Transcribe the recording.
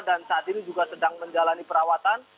dan saat ini juga sedang menjalani perawatan